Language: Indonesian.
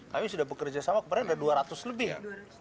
kami sudah bekerjasama kemarin ada dua ratus lebih ya